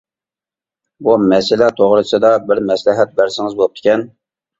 بۇ مەسىلە توغرىسىدا بىر مەسلىھەت بەرسىڭىز بوپتىكەن.